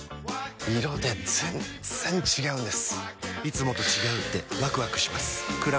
色で全然違うんです！